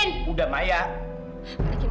saya tak tahu usahakannya diheiro